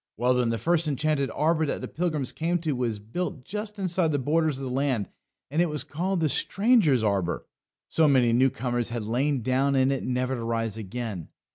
Well, then, the first enchanted arbour that the pilgrims came to was built just inside the borders of the land, and it was called The Stranger's Arbour so many new comers had lain down in it never to rise again.